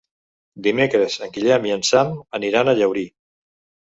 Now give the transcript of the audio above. Dimecres en Guillem i en Sam aniran a Llaurí.